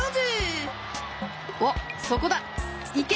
おっそこだいけ！